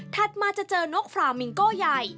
มาจะเจอนกฟรามิงโก้ใหญ่